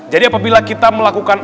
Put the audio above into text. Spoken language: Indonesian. jadi apabila kita melakukan